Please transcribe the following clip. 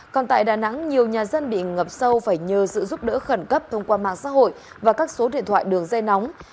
còn tại đà nẵng nhiều nhà dân bị ngập sâu phải nhờ sự giúp đỡ khẩn cấp thông qua mạng xã hội và các số điện thoại đường dây nóng